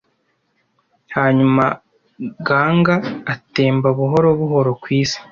Hanyuma Ganga atemba buhoro buhoro ku isi,